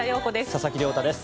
佐々木亮太です。